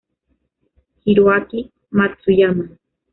Hiroaki Matsuyama